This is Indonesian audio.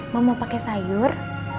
mam mau pakai sayur